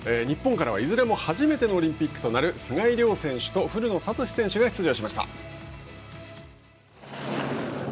日本からは、いずれも初めてのオリンピックとなる須貝龍選手と古野慧選手が出場しました。